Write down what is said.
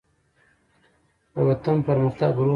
دوطن پرمختګ روح آراموي